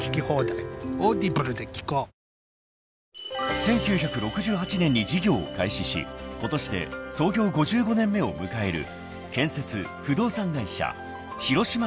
［１９６８年に事業を開始しことしで創業５５年目を迎える建設・不動産会社］